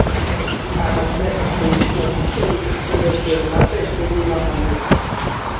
As adversas condicións hixiénicas converteron a peste nunha pandemia.